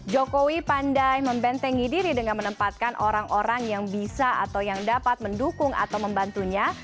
jokowi pandai membentengi diri dengan menempatkan orang orang yang bisa atau yang dapat mendukung atau membantunya